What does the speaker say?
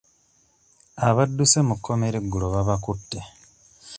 Abadduse mu kkomera eggulo babakutte.